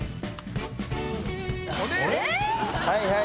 はいはい！